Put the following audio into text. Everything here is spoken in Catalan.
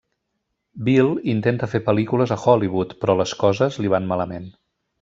Bill intenta fer pel·lícules a Hollywood, però les coses li van malament.